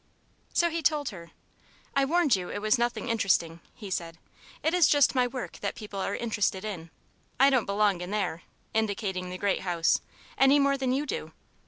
So he told her. "I warned you it was nothing interesting," he said; "it is just my work that people are interested in. I don't belong in there," indicating the great house, "any more than you do.